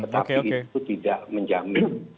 tapi itu tidak menjamin